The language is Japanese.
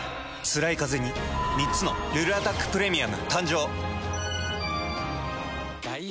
つらいカゼに３つの「ルルアタックプレミアム」誕生。